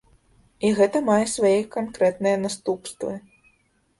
І гэта мае свае канкрэтныя наступствы.